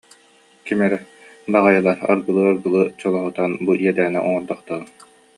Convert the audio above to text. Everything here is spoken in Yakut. Ким эрэ: «Баҕайылар, арыгылыы-арыгылыы чолоһутан бу иэдээни оҥордохторун»